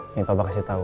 ini papa kasih tau